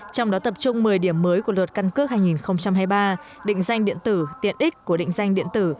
trong đó tập trung một mươi điểm mới của luật căn cước hai nghìn hai mươi ba định danh điện tử tiện ích của định danh điện tử